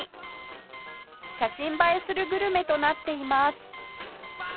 写真映えするグルメとなっています